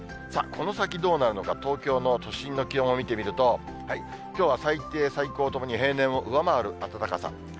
この先どうなるのか、東京の都心の気温を見てみると、きょうは最低、最高ともに平年を上回る暖かさ。